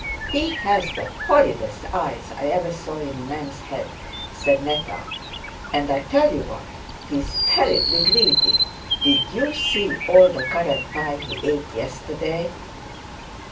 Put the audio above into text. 'He has the horridest eyes I ever saw in a man's head,' said Netta; 'and I tell you what, he's terribly greedy; did you see the current pie he ate yesterday?'